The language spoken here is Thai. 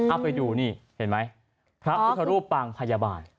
เอาไปดูนี่เห็นไหมพระพุทธรูปปางพยาบาล